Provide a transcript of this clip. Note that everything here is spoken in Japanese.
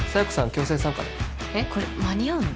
強制参加ねこれ間に合うの？